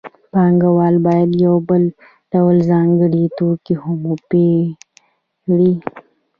پانګوال باید یو بل ډول ځانګړی توکی هم وپېري